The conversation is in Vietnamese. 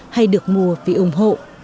hay được mua vì ủng hộ